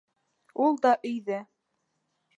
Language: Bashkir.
Ул да өйҙә.